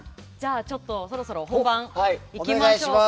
そろそろ本番いきましょうか。